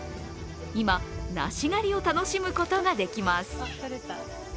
今、梨狩りを楽しむことができます。